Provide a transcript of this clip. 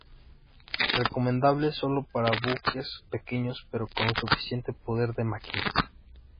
Recomendable solo para buques pequeños pero con suficiente poder de máquina.